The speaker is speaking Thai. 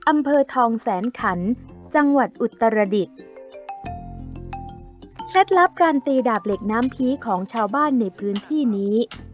อำเภอทองแสนขันจังหวัดอุตรดิษฐ์เคล็ดลับการตีดาบเหล็กน้ำผีของชาวบ้านในพื้นที่นี้